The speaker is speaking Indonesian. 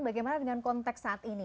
bagaimana dengan konteks saat ini